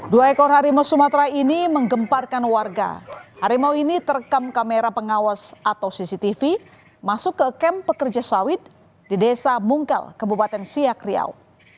dua ekor harimau sumatera ini menggemparkan warga harimau ini terekam kamera pengawas atau cctv masuk ke kamp pekerja sawit di desa mungkal kebupaten siak riau